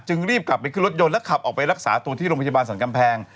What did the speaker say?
รีบกลับไปขึ้นรถยนต์แล้วขับออกไปรักษาตัวที่โรงพยาบาลสรรกำแพง